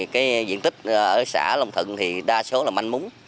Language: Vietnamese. cái diện tích ở xã long thận thì đa số là manh múng